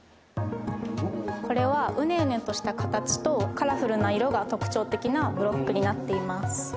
これはうねうねとした形とカラフルな色が特徴的なブロックになっています。